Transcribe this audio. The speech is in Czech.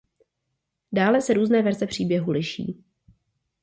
Dále se různé verze příběhu liší.